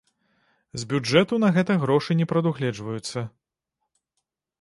З бюджэту на гэта грошы не прадугледжваюцца.